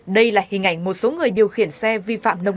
đây là hình ảnh một số người điều khiển xe vi phạm đối tượng